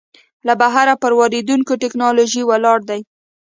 له بهره پر واردېدونکې ټکنالوژۍ ولاړ دی.